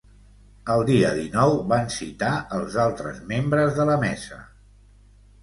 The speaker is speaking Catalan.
El dia dinou van citar els altres membres de la mesa.